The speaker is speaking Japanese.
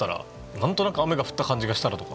何となく雨が降った感じがしたら？